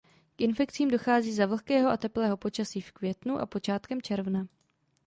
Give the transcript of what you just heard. K infekcím dochází za vlhkého a teplého počasí v květnu a počátkem června.